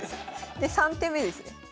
で３手目ですね。